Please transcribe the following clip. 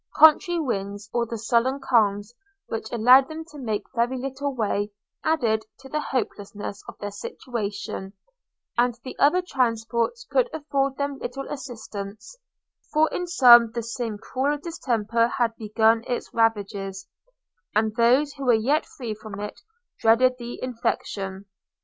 Contrary winds, or sullen calms which allowed them to make very little way, added to the hopelessness of their situation, and the other transports could afford them little assistance; for in some the same cruel distemper had begun its ravages, and those who were yet free from it dreaded the infection.